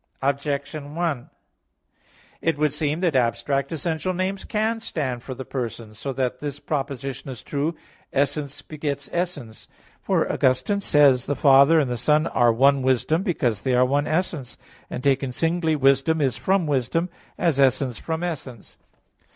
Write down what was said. Objection 1: It would seem that abstract essential names can stand for the person, so that this proposition is true, "Essence begets essence." For Augustine says (De Trin. vii, i, 2): "The Father and the Son are one Wisdom, because they are one essence; and taken singly Wisdom is from Wisdom, as essence from essence."